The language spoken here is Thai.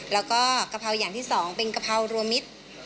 แล้วก็กะเพราอย่างที่๒เป็นกะเพรารวมมิตร